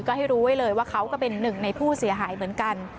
ก็ให้รู้ไว้เลยว่าเขาก็เป็นหนึ่งในผู้เสียหายเหมือนกัน